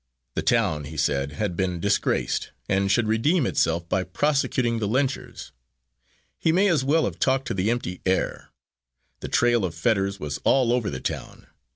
The town, he said, had been disgraced, and should redeem itself by prosecuting the lynchers. He may as well have talked to the empty air. The trail of Fetters was all over the town.